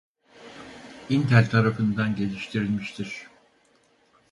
Intel tarafından geliştirilmiştir.